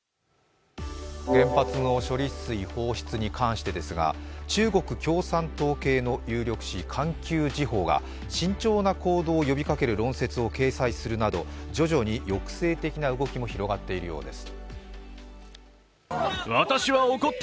原発の処理水放出に関してですが中国共産党系の有力紙「環球時報」が慎重な行動を呼びかける論説を掲載するなど徐々に抑制的な動きも広がっているようです。